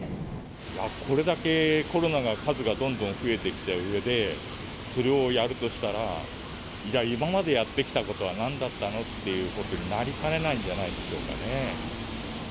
これだけコロナが数がどんどん増えてきたうえで、それをやるとしたら、今までやってきたことはなんだったの？っていうことになりかねないんじゃないでしょうかね。